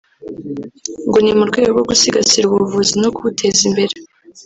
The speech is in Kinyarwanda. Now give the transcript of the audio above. ngo ni mu rwego rwo gusigasira ubuvuzi no kubuteza imbere